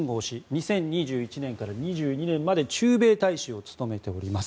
２０２１年から２０２２年まで駐米大使を務めております。